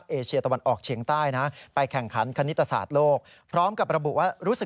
กรณีนี้ทางด้านของประธานกรกฎาได้ออกมาพูดแล้ว